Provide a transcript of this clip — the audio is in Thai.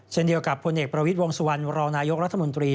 เช่นเดียวกับพลเอกประวิทย์วงสุวรรณรองนายกรัฐมนตรี